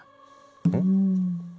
うん？